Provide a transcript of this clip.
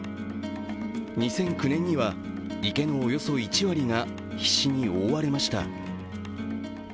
２０１９年には池のおよそ１割がヒシに覆われました。